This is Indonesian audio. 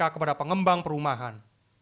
kepada pengembang perumahan